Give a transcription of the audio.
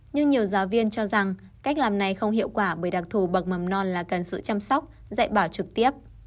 nhưng nhiều giáo viên cho rằng cách làm này không hiệu quả bởi đặc thù bậc mầm non là cần sự chăm sóc dạy bảo trực tiếp